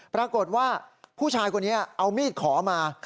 ปรากฏว่าผู้ชายคนนี้เอามีดขอมา